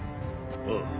ああ。